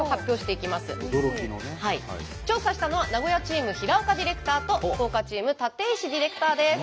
調査したのは名古屋チーム平岡ディレクターと福岡チーム立石ディレクターです。